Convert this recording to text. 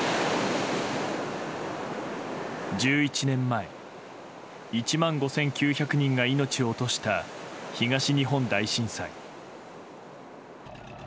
１１年前、１万５９００人が命を落とした東日本大震災。